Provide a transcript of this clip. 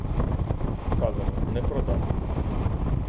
Сказано — не продам!